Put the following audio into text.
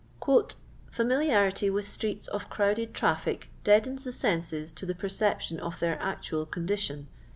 "Faxiliabitt with streete of crowded traffic deadens the senses to the perception of their actual condition.